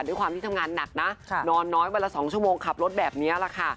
ด้วยความที่ทำงานหนักนะนอนน้อยวันละ๒ชั่วโมงขับรถแบบนี้แหละค่ะ